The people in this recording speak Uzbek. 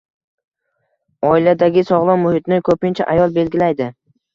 Oiladagi sog‘lom muhitni ko‘pincha ayol belgilaydi